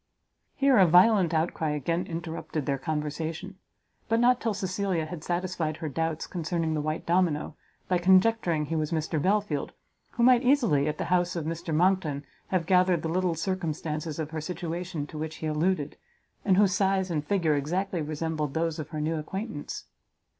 Here a violent outcry again interrupted their conversation; but not till Cecilia had satisfied her doubts concerning the white domino, by conjecturing he was Mr Belfield, who might easily, at the house of Mr Monckton, have gathered the little circumstances of her situation to which he alluded, and whose size and figure exactly resembled those of her new acquaintance.